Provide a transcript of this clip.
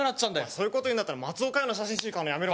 そういう事言うんだったら松尾嘉代の写真集買うのやめろ。